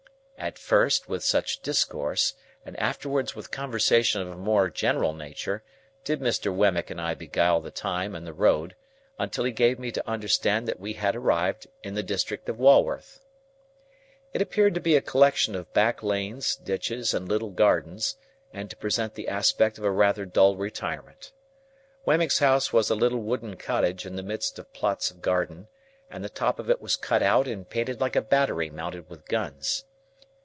At first with such discourse, and afterwards with conversation of a more general nature, did Mr. Wemmick and I beguile the time and the road, until he gave me to understand that we had arrived in the district of Walworth. It appeared to be a collection of back lanes, ditches, and little gardens, and to present the aspect of a rather dull retirement. Wemmick's house was a little wooden cottage in the midst of plots of garden, and the top of it was cut out and painted like a battery mounted with guns.